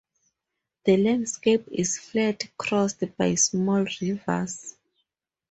The landscape is flat, crossed by small rivers.